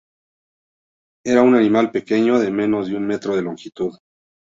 Era un animal pequeño, de menos de un metro de longitud.